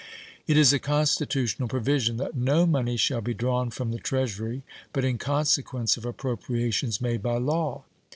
It is a constitutional provision "that no money shall be drawn from the Treasury but in consequence of appropriations made by law".